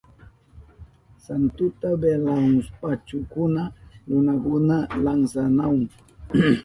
Santuta velahushpankuna runakuna lansanahun.